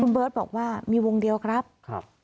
คุณเบิร์ดบอกว่ามีวงเดียวครับครับ